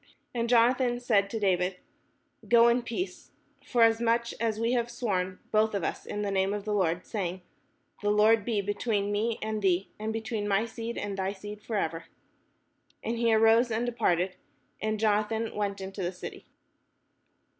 And Jonathan said to David, " Go in peace, forasmuch as we have sworn both of us in the name of the Lord, saying, 'The Lord be between me and thee, and between my seed and thy seed for ever.'" And he arose and departed : and Jonathan went into the city.